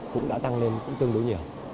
cũng đã tăng lên tương đối nhiều